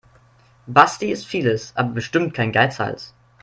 Basti ist vieles, aber bestimmt kein Geizhals.